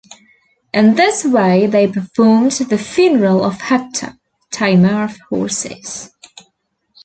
In this way they performed the funeral of Hector, tamer of horses.